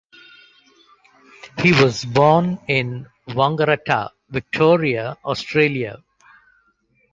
He was born in Wangaratta, Victoria, Australia.